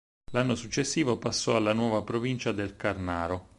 L'anno successivo passò alla nuova provincia del Carnaro.